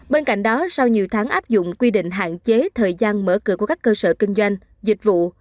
bên cạnh đó sau nhiều tháng áp dụng quy định hạn chế thời gian mở cửa của các cơ sở kinh doanh dịch vụ